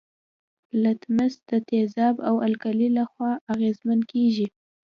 لتمس د تیزاب او القلي له خوا اغیزمن کیږي.